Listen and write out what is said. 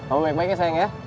om baik baik ya sayang ya